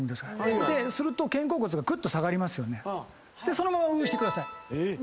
そのままうしてください。